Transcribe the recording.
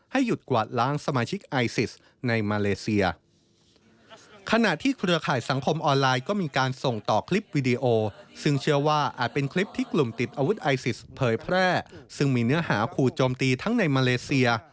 ให้หยุดกวาดล้างสมาชิกไอซิสในมาเลเซีย